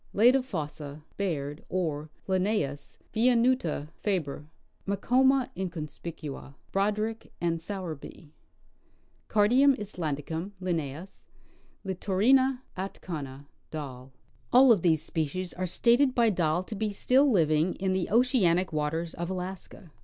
Leda fossa, Baird, or L. viinuta, Fabr. ; Macoma inconspicua, B. and S. ; Cardium islandicum, L. ; Litorina atkana, Dall. All of these species are stated by Dall to be still living in the oceanic waters of Alaska.